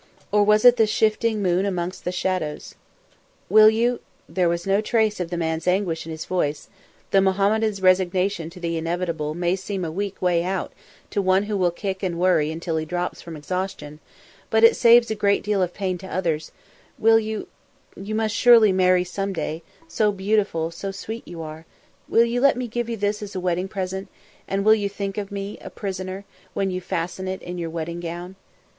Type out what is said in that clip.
Or was it the shifting of the moon amongst the shadows? "Will you" there was no trace of the man's anguish in his voice: the Mohammedan's resignation to the inevitable may seem a weak way out to one who will kick and worry until he drops from exhaustion, but it saves a great deal of pain to others "will you you must surely marry some day, so beautiful, so sweet you are will you let me give you this as a wedding present, and will you think of me, a prisoner, when you fasten it in your wedding gown?"